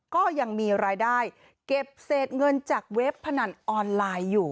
ก็ยังมีรายได้เก็บเศษเงินจากเว็บพนันออนไลน์อยู่